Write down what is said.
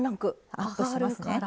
アップしますね。